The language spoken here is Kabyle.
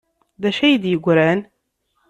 D acu ay d-yeggran?